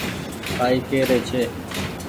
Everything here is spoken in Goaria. ڪآ ئي ڪهري ڇي